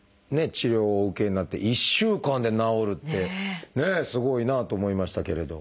治療をお受けになって１週間で治るってねすごいなあと思いましたけれど。